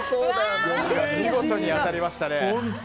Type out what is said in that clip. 見事に当たりましたね。